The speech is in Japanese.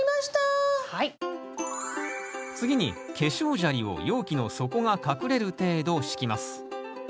次に化粧砂利を容器の底が隠れる程度敷きます。